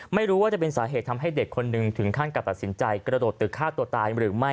ไม่รู้ว่าจะเป็นสาเหตุทำให้เด็กคนหนึ่งถึงขั้นกับตัดสินใจกระโดดตึกฆ่าตัวตายหรือไม่